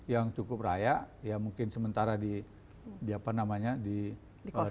yang cukup raya ya mungkin sementara di apa namanya di sana